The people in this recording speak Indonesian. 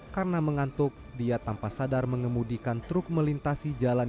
karena mengantuk dia tanpa sadar mengemudikan truk melintasi jalan